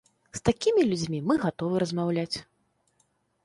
З такімі людзьмі мы гатовы размаўляць.